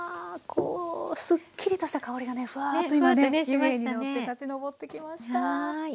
こうすっきりとした香りがねふわっと今ね湯気に乗って立ち上ってきました。